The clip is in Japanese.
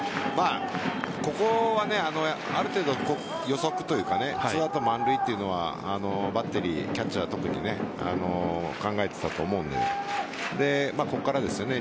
ここはある程度予測というか２アウト満塁というのはバッテリーキャッチャーは特に考えていたと思うのでここからですよね。